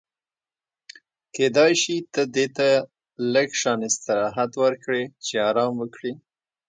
کېدای شي ته دې ته لږ شان استراحت ورکړې چې ارام وکړي.